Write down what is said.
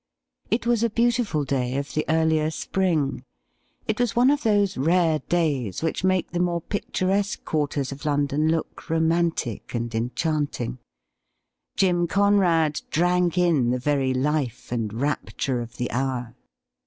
It was a beautiful day of the earlier spring. It was one of those rare days which make the more picturesque quarters of London look romantic and enchanting. Jim Conrad drank in the very life and rapture of the hour.